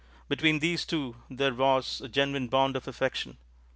Between these two there was a genuine bond of affection.